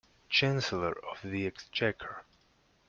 Chancellor of the Exchequer